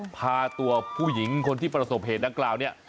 พาตัวผู้หญิงคนที่ประสบเหตุดังกล่าวเนี่ย